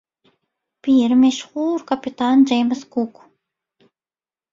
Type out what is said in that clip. Biri meşhuur Kapitan James Cook.